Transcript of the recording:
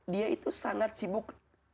dia itu sangat sibuk